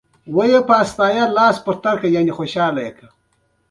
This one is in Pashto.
ایا مصنوعي ځیرکتیا د فرهنګي خپلواکۍ خنډ نه ګرځي؟